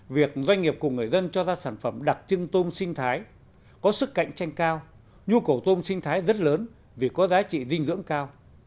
việc doanh nghiệp cùng người dân cho ra sản phẩm đặc trưng tôm sinh thái có sức cạnh tranh cao nhu cầu tôm sinh thái rất lớn vì có giá trị dinh dưỡng cao